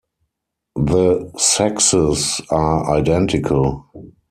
The sexes are identical.